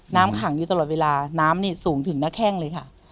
น้ำขังอยู่ตลอดเวลาน้ำนี่สูงถึงหน้าแข้งเลยค่ะ